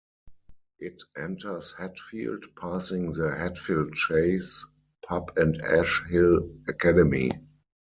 It enters Hatfield, passing the "Hatfield Chase" pub and Ash Hill Academy.